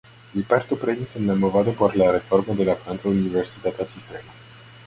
Li partoprenis en la movado por la reformo de la franca universitata sistemo.